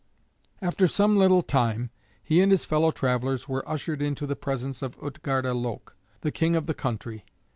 After some little time he and his fellow travelers were ushered into the presence of Utgarda Loke, the King of the country.